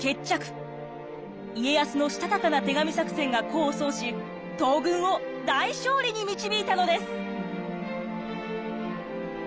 家康のしたたかな手紙作戦が功を奏し東軍を大勝利に導いたのです。